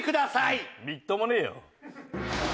みっともねえよ。